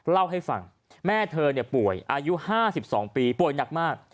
เล่าให้ฟังแม่เธอป่วยอายุ๕๒ปีป่วยหนักมาก